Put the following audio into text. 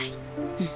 うん。